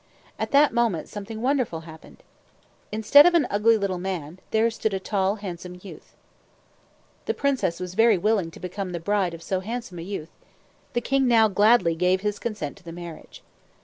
At that moment, something wonderful happened. Instead of an ugly little man, there stood a tall, handsome youth. The princess was very willing to become the bride of so handsome a youth. The king now gladly gave his consent to the marriage.